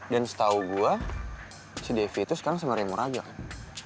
dan setau gua si deyv itu sekarang sama rey moraga kan